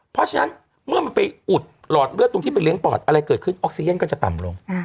เพราะฉะนั้นเมื่อมันไปอุดหลอดเลือดตรงที่ไปเลี้ยปอดอะไรเกิดขึ้นออกซีเย็นก็จะต่ำลง